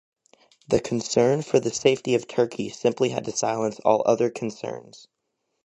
The concern for the safety of Turkey simply had to silence all other concerns.